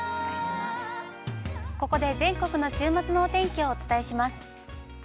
◆ここで、全国の週末のお天気をお伝えします。